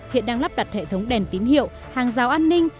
hiện đang lắp đặt hệ thống đèn tín hiệu hàng rào an ninh